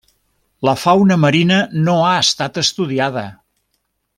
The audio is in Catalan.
La fauna marina no ha estat estudiada.